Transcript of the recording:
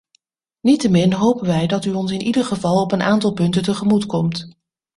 Niettemin hopen wij dat u ons in ieder geval op een aantal punten tegemoetkomt.